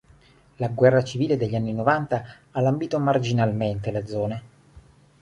La guerra civile degli anni novanta ha lambito marginalmente la zona.